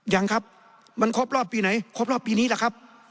ยังครับมันครบรอบปีไหนครบรอบปีนี้แหละครับ